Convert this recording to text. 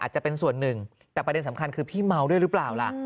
จะเป็นส่วนหนึ่งแต่ประเด็นสำคัญคือพี่เมาด้วยหรือเปล่าล่ะ